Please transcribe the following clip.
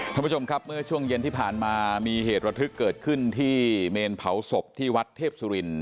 ท่านผู้ชมครับเมื่อช่วงเย็นที่ผ่านมามีเหตุระทึกเกิดขึ้นที่เมนเผาศพที่วัดเทพสุริน